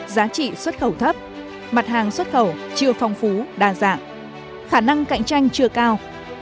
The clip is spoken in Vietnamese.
giá trị xuất khẩu thấp mặt hàng xuất khẩu chưa phong phú đa dạng khả năng cạnh tranh chưa cao